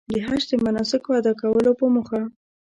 د حج د مناسکو ادا کولو په موخه.